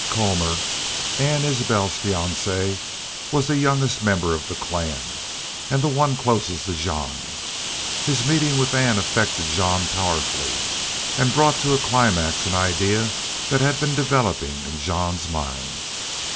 Colmor, Ann Isbel's fiance, was the youngest member of the clan, and the one closest to Jean. His meeting with Ann affected Jean powerfully, and brought to a climax an idea that had been developing in Jean's mind.